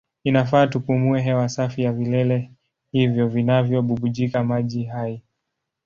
Inafaa tupumue hewa safi ya vilele hivyo vinavyobubujika maji hai.